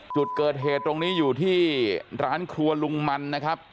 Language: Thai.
จุดเกิดเหตุตรงนี้อยู่ที่ร้านครัวลุงมันนะครับ